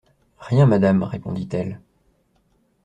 Rien, madame, répondit-elle.